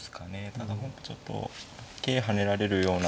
何か本譜ちょっと桂跳ねられるような。